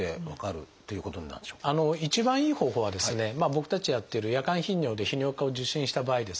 僕たちやってる夜間頻尿で泌尿器科を受診した場合ですね